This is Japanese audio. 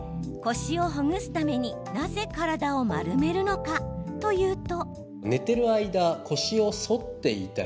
腰をほぐすためになぜ体を丸めるのかというと。